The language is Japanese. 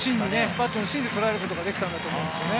バットの芯でとらえることができたんだと思いますね。